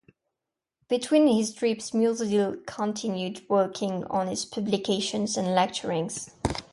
Between his trips Musil continued working on his publications and lecturing.